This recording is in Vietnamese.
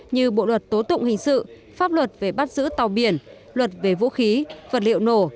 như bộ luật tố tụng hình sự pháp luật về bắt giữ tàu biển luật về vũ khí vật liệu nổ